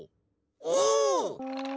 お！